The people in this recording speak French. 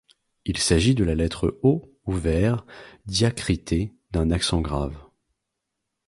Il s’agit de la lettre O ouvert diacritée d'un accent grave.